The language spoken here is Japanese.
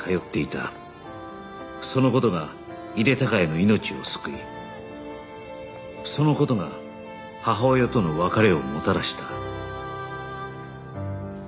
その事が井手孝也の命を救いその事が母親との別れをもたらした